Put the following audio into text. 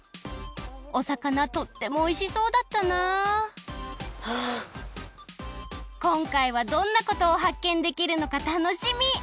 おさかなとってもおいしそうだったなこんかいはどんなことをはっけんできるのかたのしみ！